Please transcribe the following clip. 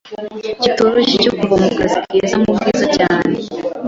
kitoroshye cyo kuva mu kazi keza mu bwiza cyane